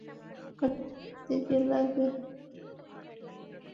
হাঁটু মাটিতে গিয়ে লাগে।